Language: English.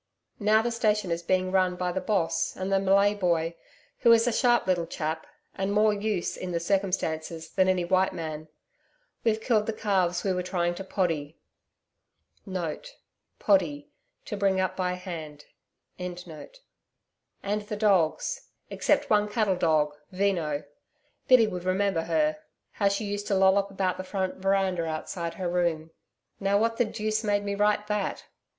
Now the station is being run by the Boss and the Malay boy, who is a sharp little chap, and more use in the circumstances than any white man. We've killed the calves we were trying to PODDY*. And the dogs except one cattle dog Veno Biddy would remember her; how she used to lollop about the front veranda outside her room. Now, what the deuce made me write that!